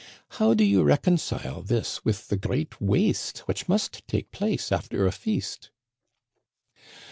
How do you reconcile this with the great waste which must take place after a feast